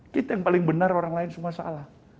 kita yang paling benar orang lain semua salah